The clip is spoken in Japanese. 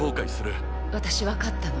私分かったの。